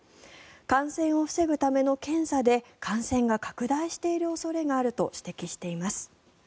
感染を防ぐための検査で感染が拡大している恐れがあると指摘しています。